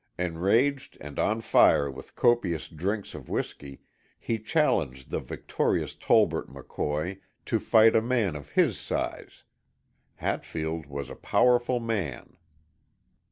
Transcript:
Enraged and on fire with copious drinks of whiskey, he challenged the victorious Tolbert McCoy to fight a man of his size. Hatfield was a powerful man.